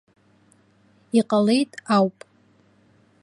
Иҟалеит ауп!